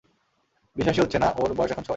বিশ্বাসই হচ্ছে না ওর বয়স এখন ছয়!